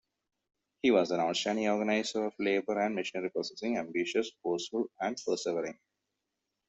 He was an outstanding organiser of labour and machinery processing, ambitious, forceful and persevering.